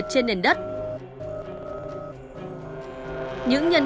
một tháng hai tháng ạ